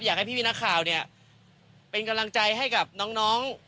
อยากให้พี่นักข่าวเนี่ยเป็นกำลังใจให้กับน้อง